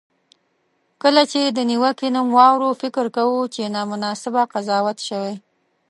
کله چې د نیوکې نوم واورو، فکر کوو چې نامناسبه قضاوت شوی.